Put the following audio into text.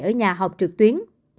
ở nhà học trực tuyến